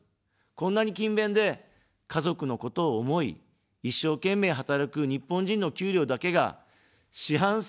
こんなに勤勉で、家族のことを思い、一生懸命働く日本人の給料だけが四半世紀も下がり続ける。